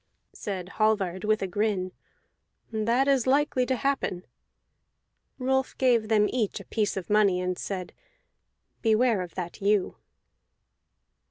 Said Hallvard with a grin: "That is likely to happen." Rolf gave them each a piece of money, and said: "Beware of that ewe."